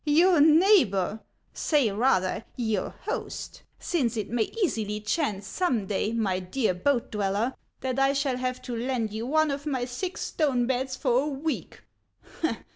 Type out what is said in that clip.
"Your neighbor! say rather your host.' since it may easily chance some day, my dear boat dweller, that I shall have to lend you one of my six stone beds for a week.